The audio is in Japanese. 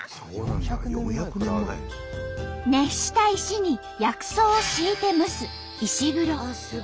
熱した石に薬草を敷いて蒸す「石風呂」。